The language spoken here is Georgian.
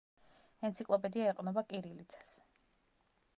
ენციკლოპედია ეყრდნობა კირილიცას.